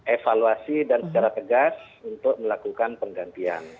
evaluasi dan secara tegas untuk melakukan penggantian